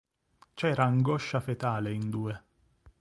C'era angoscia fetale in due.